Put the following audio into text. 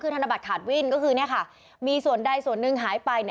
๓ธนบัตรขาดวิ่นก็คือเนี่ยค่ะมีส่วนใดส่วนหนึ่งหายไปเนี่ย